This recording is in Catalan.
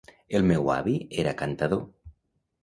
El meu avi era cantador